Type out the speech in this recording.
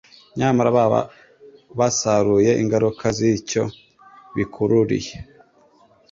Nyamara baba basaruye ingaruka z’icyo bikururiye.